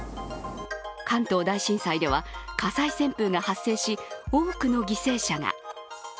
関東大震災では火災旋風が発生し多くの犠牲者が。